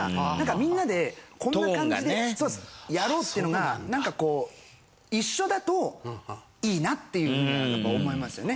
みんなでこんな感じでやろうっていうのがなんかこう一緒だといいなっていうふうにはやっぱ思いますよね。